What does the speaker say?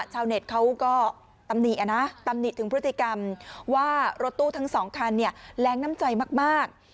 ชาวเน็ตเขาก็ตำหนินะตำหนิถึงพฤติกรรมว่ารถตู้ทั้งสองคันแรงน้ำใจมาก